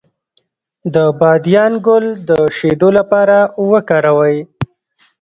د بادیان ګل د شیدو لپاره وکاروئ